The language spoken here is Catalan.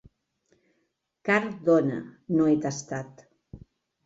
Car dona no he tastat.